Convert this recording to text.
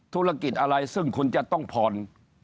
ธุรกิจอะไรซึ่งคุณจะต้องผ่อน